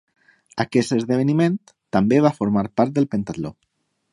Aquest esdeveniment també va formar part del pentatló.